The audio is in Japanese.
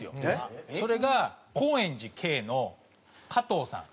それが高円寺Ｋのカトーさん。